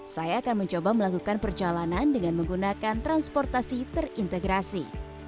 saya akan mencoba melakukan perjalanan dengan menggunakan transportasi terintegrasi